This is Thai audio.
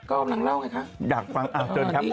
ก็รับมาเล่าไงค่ะ